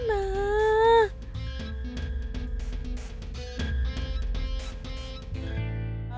nu pun ngeri aja